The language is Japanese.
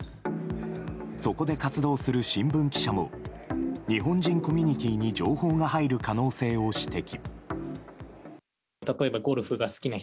そこで活動する新聞記者も日本人コミュニティーに情報が入る可能性を指摘。